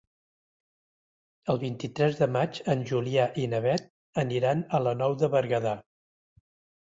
El vint-i-tres de maig en Julià i na Beth aniran a la Nou de Berguedà.